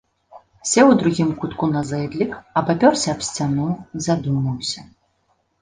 Сеў у другім кутку на зэдлік, абапёрся аб сцяну, задумаўся.